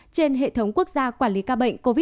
trên hệ thống quốc gia quản lý ca bệnh covid một mươi chín